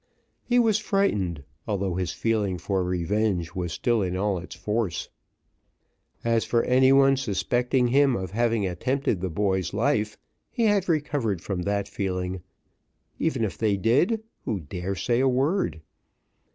He was frightened, although his feeling for revenge was still in all its force. As for any one suspecting him of having attempted the boy's life, he had recovered from that feeling; even if they did, who dare say a word?